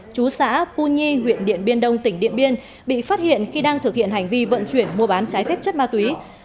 chú xã pu nhi huyện điện biên đông tỉnh điện biên bị phát hiện khi đang thực hiện hành vi vận chuyển mua bán trái phép chất ma túy